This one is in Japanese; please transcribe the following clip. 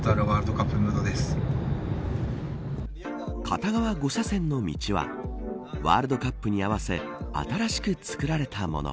片側５車線の道はワールドカップに合わせ新しく作られたもの。